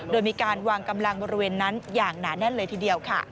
โดยมีการวางกำลังบริเวณนั้นอย่างหนาแน่นเลยทีเดียวค่ะ